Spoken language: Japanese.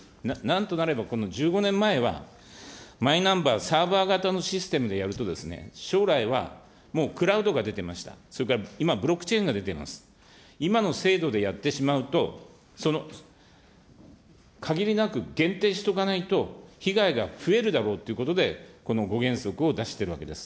なんとなればこの１５年前は、マイナンバーサーバー型のシステムでやると、将来はもうクラウドが出てました、それから今、ブロックチェーンが出てます、今の制度でやってしまうと、かぎりなく限定しとかないと、被害が増えるだろうということで、この５原則を出しているわけです。